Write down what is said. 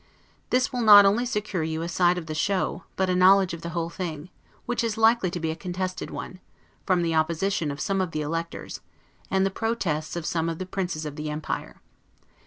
This will not only secure you a sight of the show, but a knowledge of the whole thing; which is likely to be a contested one, from the opposition of some of the electors, and the protests of some of the princes of the empire.